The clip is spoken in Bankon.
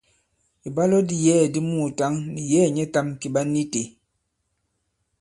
Ìbwalo di yɛ̌ɛ̀ di muùtǎŋ nì yɛ̌ɛ̀ nyɛtām kì ɓa ni itē.